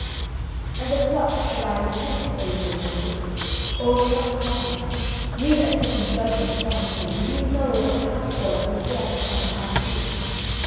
"And of what should I repent, Ogrin, my lord? Or of what crime? You that sit in judgment upon us here, do you know what cup it was we drank upon the high sea?